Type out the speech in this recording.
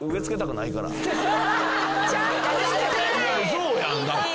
そうやんだって。